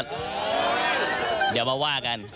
เดี๋ยวมาว่ากัน